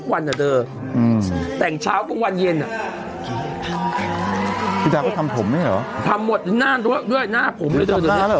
พี่ดามักดาตือทีหน้าเป็นเหรอ